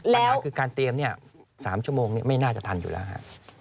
ปัญหาคือการเตรียม๓ชั่วโมงไม่น่าจะทันอยู่แล้วฮะ